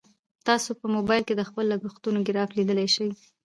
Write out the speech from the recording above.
تاسو په موبایل کې د خپلو لګښتونو ګراف لیدلی شئ.